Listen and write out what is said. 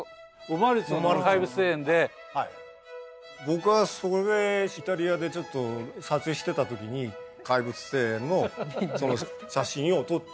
僕はそれイタリアでちょっと撮影してた時に「怪物庭園」のその写真を撮って。